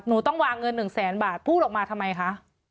หนูต้องวางเงิน๑แสนบาทพูดออกมาทำไมคะ